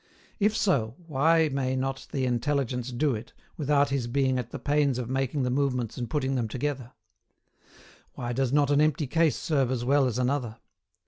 If so, why may not the Intelligence do it, without his being at the pains of making the movements and putting them together? Why does not an empty case serve as well as another?